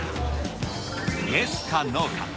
イエスかノーか。